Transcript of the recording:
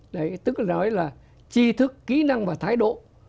đấy tức nói là chi thức kỹ năng và thái độ